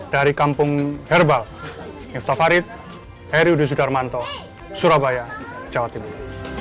dari kampung herbal yuta farid heri wududzudar manto surabaya jawa timur